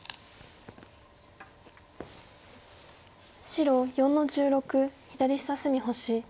白４の十六左下隅星。